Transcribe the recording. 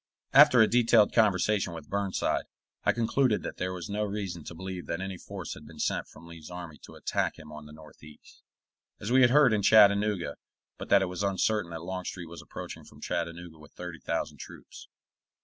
After a detailed conversation with Burnside, I concluded that there was no reason to believe that any force had been sent from Lee's army to attack him on the northeast, as we had heard in Chattanooga, but that it was certain that Longstreet was approaching from Chattanooga with thirty thousand troops.